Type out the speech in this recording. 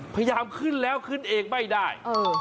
พยายามขึ้นแล้วขึ้นเองไม่ได้